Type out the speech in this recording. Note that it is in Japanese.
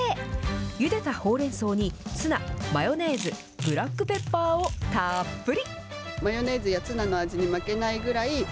ゆでたほうれんそうに、ツナ、マヨネーズ、ブラックペッパーをたっぷり。